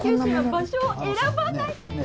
場所を選ばないねえ